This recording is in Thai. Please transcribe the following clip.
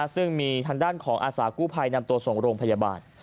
ซึ่งมีทางด้านของอาสากู้ภัยนำตัวส่งโรงพยาบาล